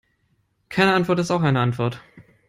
Keine Antwort ist auch eine Antwort.